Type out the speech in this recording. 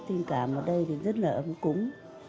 tình cảm ở đây rất là ấm cúng